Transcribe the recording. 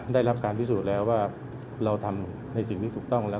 ได้รับการพิสูจน์แล้วว่าเราทำในสิ่งที่ถูกต้องแล้ว